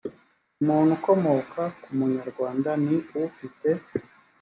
umuntu ukomoka ku munyarwanda ni ufite